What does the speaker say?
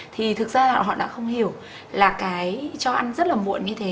thì thực ra họ đã không hiểu là cái cho ăn rất là muộn như thế